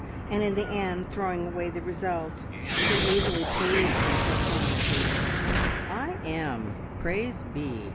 and in the end throwing away the result! You're easily pleased, Miss O'Shaughnessy!" "I am, praise be!"